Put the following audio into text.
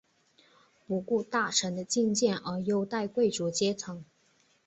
不顾大臣的进谏而优待贵族阶层。